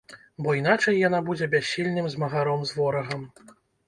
Бо іначай яна будзе бяссільным змагаром з ворагам.